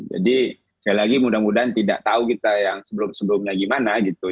jadi sekali lagi mudah mudahan tidak tahu kita yang sebelumnya gimana gitu